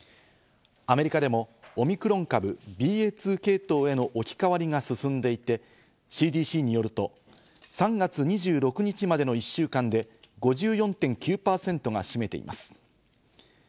アメリカでもオミクロン株・ＢＡ．２系統への置き換わりが進んでいてＣＤＣによると、３月２６日までの１週間で５４．９％が占めています。